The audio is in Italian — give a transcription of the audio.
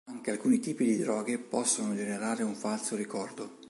Anche alcuni tipi di droghe possono generare un falso ricordo.